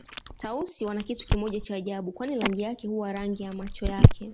Tausi wana kitu kimoja cha ajabu kwani rangi yake huwa rangi ya macho yake